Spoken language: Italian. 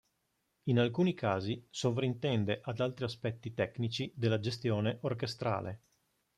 In alcuni casi sovrintende ad altri aspetti tecnici della gestione orchestrale.